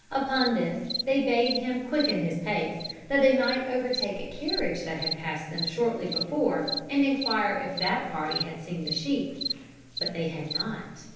Upon this, they bade him quicken his pace, that they might overtake a carriage that had passed them shortly before, and enquire if that party had seen the sheep; but they had not.